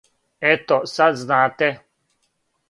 Ето, сад знате.